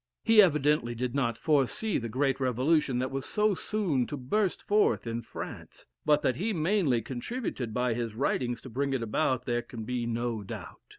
He evidently did not foresee the great revolution that was so soon to burst forth in France, but that he mainly contributed by his writings to bring it about, there can be no doubt.